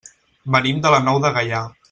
Venim de la Nou de Gaià.